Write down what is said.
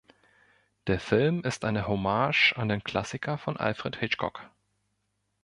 Der Film ist eine Hommage an den Klassiker von Alfred Hitchcock.